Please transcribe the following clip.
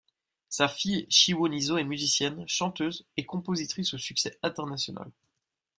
Sa fille Chiwoniso est musicienne, chanteuse et compositrice au succès international.